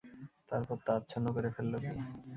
তারপর তা আচ্ছন্ন করে ফেলল কী।